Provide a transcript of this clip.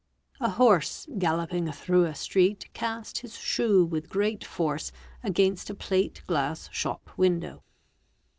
<A horse galloping through a street cast his shoe with great force against a plate glass shop window.